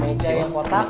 meja yang kotak